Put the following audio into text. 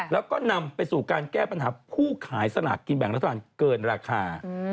แล้วก็นำไปสู่การแก้ปัญหาผู้ขายสลากกินแบ่งรัฐบาลเกินราคา